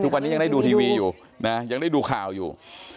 ทุกวันนี้ยังได้ดูทีวีอยู่นะยังได้ดูข่าวอยู่